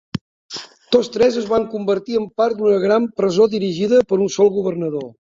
Tots tres es van convertir en part d'una gran presó dirigida per un sol governador.